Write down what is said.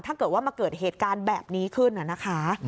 ถ้าเกิดว่ามาเกิดเหตุการณ์แบบนี้ขึ้นนะคะ